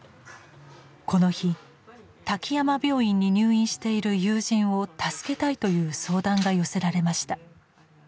この日「滝山病院に入院している友人を助けたい」という相談が寄せられました。